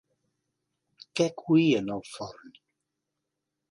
Què coïen al forn?